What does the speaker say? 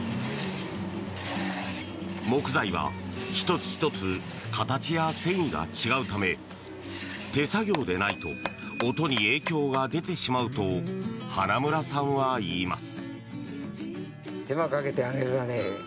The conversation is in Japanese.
木材は１つ１つ形や繊維が違うため手作業でないと音に影響が出てしまうと花村さんは言います。